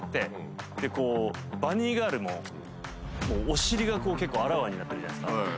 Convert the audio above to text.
バニーガールもお尻が結構あらわになってるじゃないですか。